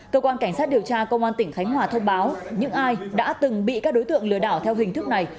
cơ quan cảnh sát điều tra công an tỉnh khánh hòa thông báo những ai đã từng bị các đối tượng lừa đảo theo hình thức này